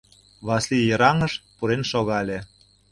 Васлий йыраҥыш пурен шогале.